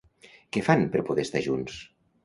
Què fan per poder estar junts?